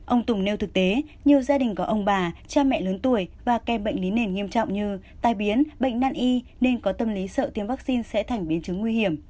ông tùng nêu thực tế nhiều gia đình có ông bà cha mẹ lớn tuổi và kem bệnh lý nền nghiêm trọng như tai biến bệnh nan y nên có tâm lý sợ tiêm vaccine sẽ thành biến chứng nguy hiểm